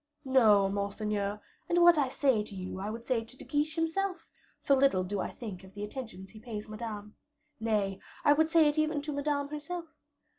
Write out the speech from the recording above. "No, monseigneur; and what I say to you I would say to De Guiche himself, so little do I think of the attentions he pays Madame. Nay, I would say it even to Madame herself.